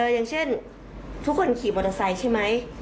อย่างเช่นทุกคนขี่มอเตอร์ไซค์ใช่ไหม